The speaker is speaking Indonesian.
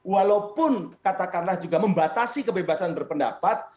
walaupun katakanlah juga membatasi kebebasan berpendapat